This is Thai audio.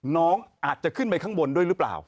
น้องอาจจะขึ้นไปข้างบนด้วยหรือเปล่า